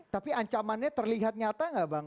tapi ancamannya terlihat nyata nggak bang